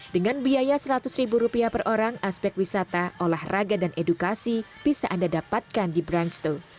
dengan biaya rp seratus per orang aspek wisata olahraga dan edukasi bisa anda dapatkan di brangsto